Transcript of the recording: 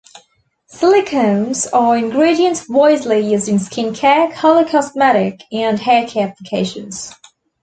Silicones are ingredients widely used in skin care, color cosmetic and hair care applications.